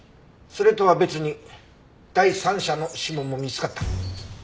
それとは別に第三者の指紋も見つかった。